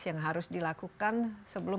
yang harus dilakukan sebelum